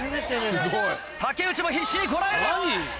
竹内も必死にこらえる。